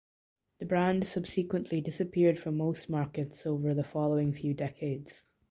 The brand subsequently disappeared from most markets over the following few decades.